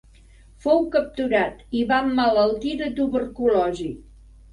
Fou capturat i va emmalaltir de tuberculosi.